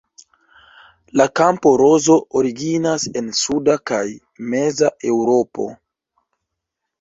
La kampa rozo originas en suda kaj meza Eŭropo.